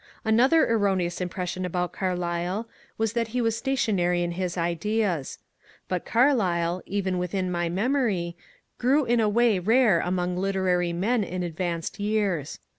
Another erroneous impression about Carlyle is that he was stationary in his ideas. But Carlyle, even within my memory, grew in a way rare among literary men in advanced years.